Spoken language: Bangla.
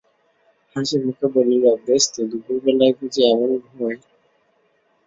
হাসিমুখে বলিল, বেশ তো, দুপুর বেলায় বুঝি এমন ঘুমোয়?